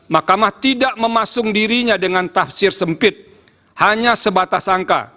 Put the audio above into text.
mahkamah tidak memasung dirinya dengan tafsir sempit hanya sebatas angka